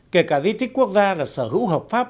kể cả di tích quốc gia là sở hữu hợp pháp